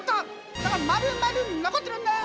だからまるまる残ってるんです！